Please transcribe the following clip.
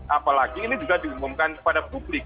apalagi ini juga diumumkan kepada publik